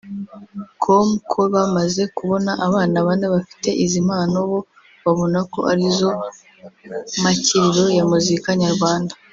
com ko bamaze kubona abana bane bafite izi mpano bo babona ko arizo makiriro ya muzika nyarwanda